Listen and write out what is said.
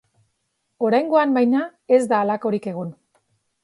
Oraingoan, baina, ez da halakorik egon.